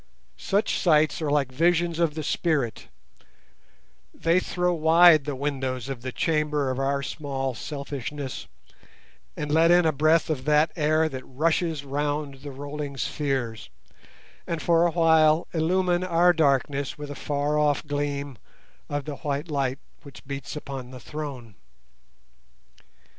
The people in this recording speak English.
Such sights are like visions of the spirit; they throw wide the windows of the chamber of our small selfishness and let in a breath of that air that rushes round the rolling spheres, and for a while illumine our darkness with a far off gleam of the white light which beats upon the Throne.